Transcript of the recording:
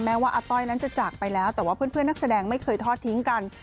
ว่าอาต้อยนั้นจะจากไปแล้วแต่ว่าเพื่อนนักแสดงไม่เคยทอดทิ้งกัน